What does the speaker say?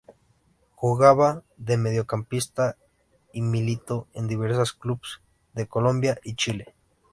Jugaba de mediocampista y militó en diversos clubes de Colombia y Chile.